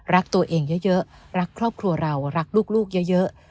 รักตัวเองเยอะรักครอบครัวเรารักลูกเยอะ